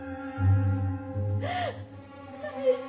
返して。